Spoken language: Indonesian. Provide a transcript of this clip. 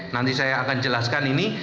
nanti saya akan jelaskan ini